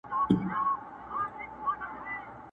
د اهریمن د اولادونو زانګو٫